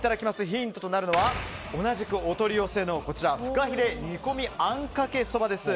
ヒントとなるのは同じくお取り寄せのフカヒレ煮込みあんかけそばです。